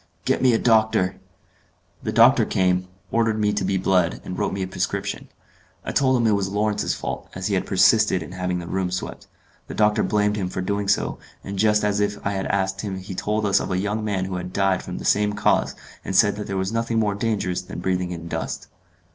"Get me a doctor." The doctor came, ordered me to be bled, and wrote me a prescription. I told him it was Lawrence's fault, as he had persisted in having the room swept. The doctor blamed him for doing so, and just as if I had asked him he told us of a young man who had died from the same cause, and said that there was nothing more dangerous than breathing in dust.